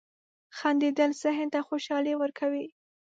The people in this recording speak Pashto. • خندېدل ذهن ته خوشحالي ورکوي.